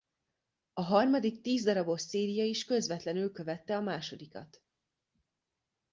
A harmadik tíz darabos széria is közvetlenül követte a másodikat.